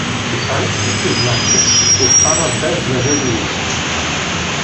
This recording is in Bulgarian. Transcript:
Читалището, значи, остана без заведующ.